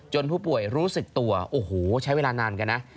ผู้ป่วยรู้สึกตัวโอ้โหใช้เวลานานเหมือนกันนะ